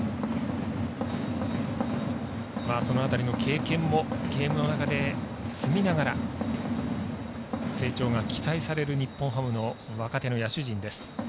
その辺りの経験もゲームの中で積みながら成長が期待される日本ハムの若手の野手陣です。